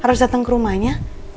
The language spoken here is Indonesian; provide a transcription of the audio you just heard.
harus dateng ke rumahnya